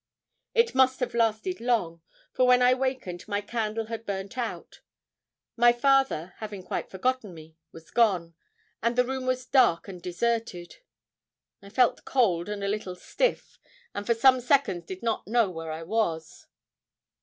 It must have lasted long, for when I wakened my candle had burnt out; my father, having quite forgotten me, was gone, and the room was dark and deserted. I felt cold and a little stiff, and for some seconds did not know where I was.